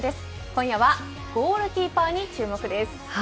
今夜はゴールキーパーに注目です。